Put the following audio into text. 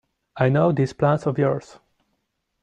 I know these plans of yours.